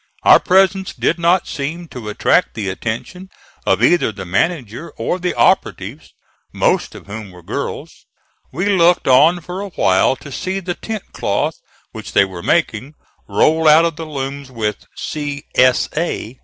Our presence did not seem to attract the attention of either the manager or the operatives, most of whom were girls. We looked on for a while to see the tent cloth which they were making roll out of the looms, with "C. S. A."